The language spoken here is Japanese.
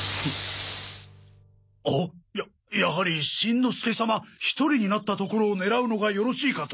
あややはりしんのすけ様１人になったところを狙うのがよろしいかと。